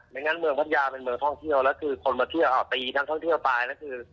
ไม่งั้นเมืองพัทยาเป็นเมืองท่องเที่ยวแล้วคือคนมาเที่ยวอ่ะตีท่องเที่ยวตาย